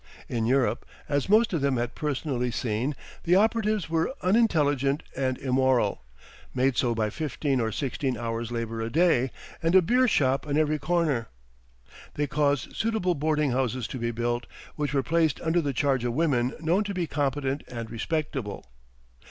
In Europe, as most of them had personally seen, the operatives were unintelligent and immoral, made so by fifteen or sixteen hours' labor a day, and a beer shop on every corner. They caused suitable boarding houses to be built, which were placed under the charge of women known to be competent and respectable.